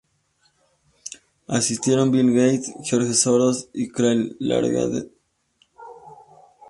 Asistieron Bill Gates, George Soros y Christine Lagarde.